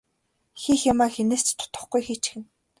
Хийх юмаа хэнээс ч дутахгүй хийчихнэ.